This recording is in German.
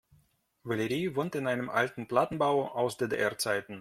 Valerie wohnt in einem alten Plattenbau aus DDR-Zeiten.